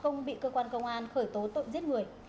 không bị cơ quan công an khởi tố tội giết người